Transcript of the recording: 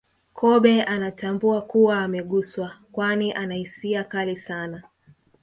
Kobe anatambua kuwa ameguswa kwani ana hisia kali sana